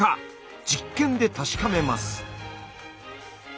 実験で確かめます。